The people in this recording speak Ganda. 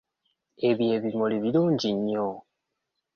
Ebyo ebimuli birungi nnyo.